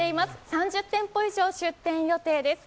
３０店舗以上、出店予定です。